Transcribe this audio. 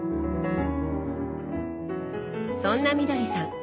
そんなみどりさん